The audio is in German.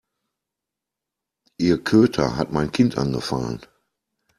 Ihr Köter hat mein Kind angefallen.